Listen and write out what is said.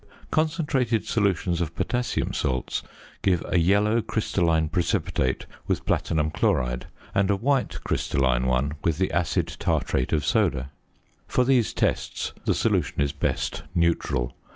Concentrated solutions of potassium salts give a yellow crystalline precipitate with platinum chloride, and a white crystalline one with the acid tartrate of soda. For these tests the solution is best neutral.